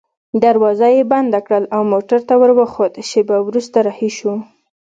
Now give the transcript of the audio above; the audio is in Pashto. دروازه يې بنده کړل او موټر ته وروخوت، شېبه وروسته رهي شوو.